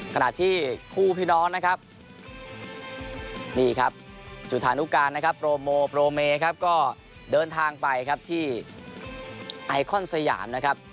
ขณะที่คู่พี่น้องนะครับนี่ครับจุธานุการนะครับโปรโมโปรเมครับก็เดินทางไปครับที่ไอคอนสยามนะครับ